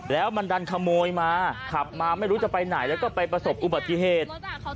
แล้วมันดันขโมยมาขับมาไม่รู้จะไปไหนแล้วก็ไปประสบอุบัติเหตุ